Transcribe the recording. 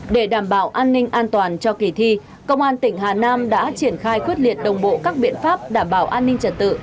để đảm bảo an ninh an toàn cho kỳ thi công an tỉnh hà nam đã triển khai quyết liệt đồng bộ các biện pháp đảm bảo an ninh trật tự